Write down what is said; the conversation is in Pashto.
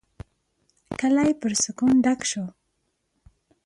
کلی پر سکون ډک شو.